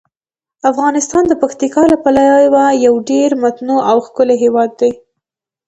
افغانستان د پکتیکا له پلوه یو ډیر متنوع او ښکلی هیواد دی.